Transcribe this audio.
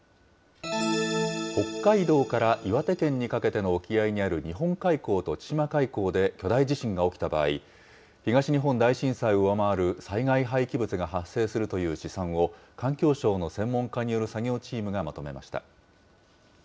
北海道から岩手県にかけての沖合にある日本海溝と千島海溝で巨大地震が起きた場合、東日本大震災を上回る災害廃棄物が発生するという試算を、環境省の専門家による作業チームがまとめました。